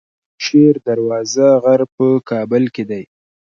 شیر دروازه غر په کابل کې دی